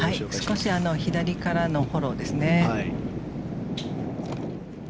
少し左からのフォローですね。